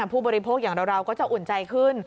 ผู้บริโภคอย่างเราก็จะอุ่นใจขึ้น